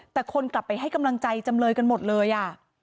แต่คนกลับไปให้กำลังใจจำเลยกันหมดเลยอ่ะ